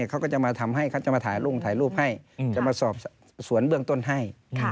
เขาก็จะมาทำให้เขาจะมาถ่ายรูปให้จะมาสอบสวนเบื้องต้นให้